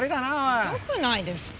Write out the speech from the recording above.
ひどくないですか？